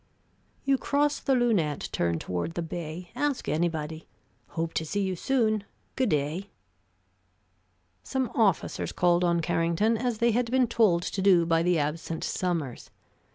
"You cross the Lunette, turn toward the bay ask anybody. Hope to see you soon. Good day." Some officers called on Carrington, as they had been told to do by the absent Sommers.